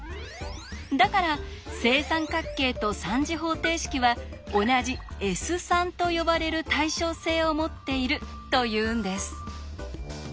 だから正三角形と３次方程式は同じ「Ｓ」と呼ばれる対称性を持っているというんです。